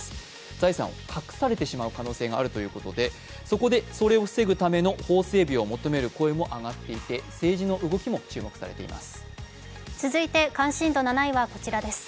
財産を隠されてしまう可能性があるということで、そこでそれを防ぐための法整備を求める声も上がっていて政治の動きも注目されています。